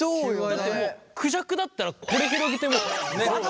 だってもうクジャクだったらこれ広げてもう。